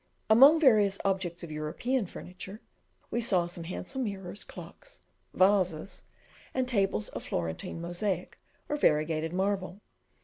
Among various objects of European furniture, we saw some handsome mirrors, clocks, vases, and tables of Florentine mosaic, or variegated marble.